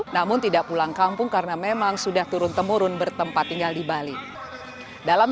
namun tidak pulang kampung karena memang sudah turun temurun bertempat tinggal di bali dalam